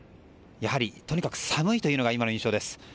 やはり、とにかく寒いというのが今の印象です。